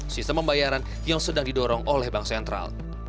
sistem pembayaran yang sedang didorong oleh bank sentral